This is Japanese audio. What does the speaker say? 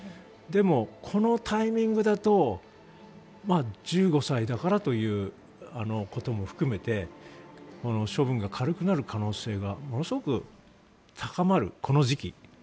でも、このタイミングだと１５歳だからということも含めて処分が軽くなる可能性がものすごく高まる、この時期。